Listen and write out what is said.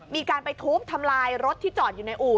มีการไปทุบทำลายรถที่จอดอยู่ในอู่